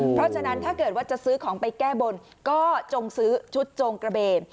เพราะฉะนั้นถ้าเกิดว่าจะซื้อของไปแก้บนก็จงซื้อชุดโจงกระเบน